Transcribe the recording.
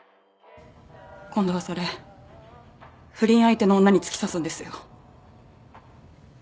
今度はそれ不倫相手の女に突き刺すんですよ。